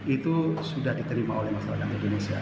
itu sudah diterima oleh masyarakat indonesia